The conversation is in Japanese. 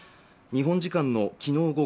日本時間のきのう